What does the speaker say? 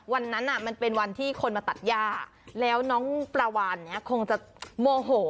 วันนั้นมันเป็นวันที่คนมาตัดย่าแล้วน้องปลาวานเนี่ยคงจะโมโห